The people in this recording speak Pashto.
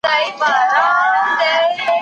په هېواد کي د نوي سيستم عملي کول وخت غواړي.